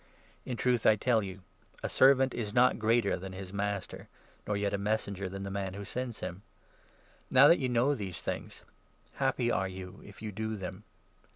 In 16 truth I tell you, a servant is not greater than his master, nor yet a messenger than the man who sends him. Now that you 17 know these things, happy are you if you do them.